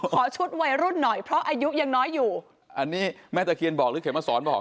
ขอชุดวัยรุ่นหน่อยเพราะอายุยังน้อยอยู่อันนี้แม่ตะเคียนบอกหรือเขียนมาสอนบอก